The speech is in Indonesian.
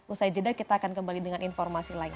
usai jeda kita akan kembali dengan informasi lain